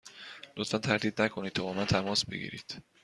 لطفا تردید نکنید تا با من تماس بگیرید.